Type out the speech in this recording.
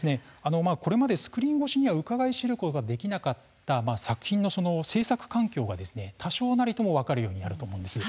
これまでスクリーン越しにはうかがい知ることができなかった作品の制作環境が多少なりとも分かるようになると思います。